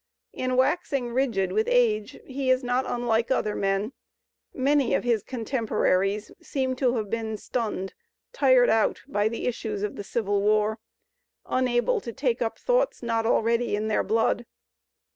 In waxing rigid with age he is not unlike other men; many of his contemporaries seem to have been stunned, tired out, by the issues of the Civil War, unable to take up thoughts not already in their blood.